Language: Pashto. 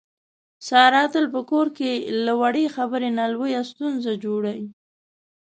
ساره تل په کور کې له وړې خبرې نه لویه ستونزه جوړي.